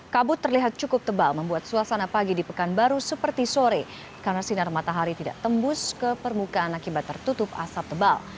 kabut terlihat cukup tebal membuat suasana pagi di pekanbaru seperti sore karena sinar matahari tidak tembus ke permukaan akibat tertutup asap tebal